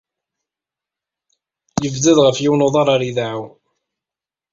Yebded ɣef yiwen uḍar ar ideɛɛu.